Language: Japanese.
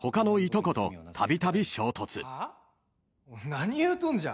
何言うとんじゃ？